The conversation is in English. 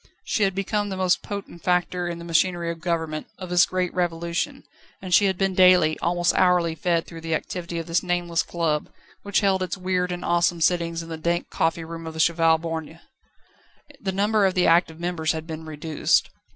She had become the most potent factor in the machinery of government, of this great Revolution, and she had been daily, almost hourly fed through the activity of this nameless club, which held its weird and awesome sittings in the dank coffee room of the Cheval Borgne. The number of the active members had been reduced.